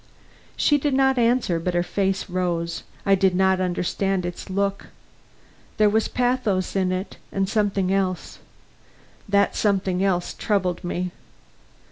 She did not answer; but her face rose. I did not understand its look. There was pathos in it, and something else. That something else troubled me.